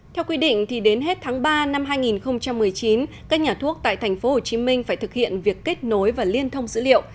theo quy định đến hết tháng ba năm hai nghìn một mươi chín các nhà thuốc tại tp hcm phải thực hiện việc kết nối và liên thông dữ liệu